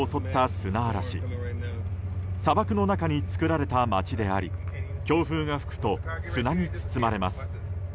砂漠の中に作られた街であり強風が吹くと砂に包まれます。